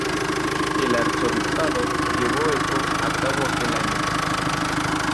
El arzobispado llevó esto a cabo aquel año.